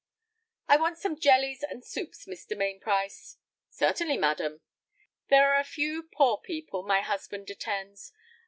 "I want some jellies and soups, Mr. Mainprice." "Certainly, madam." "There are a few poor people my husband attends.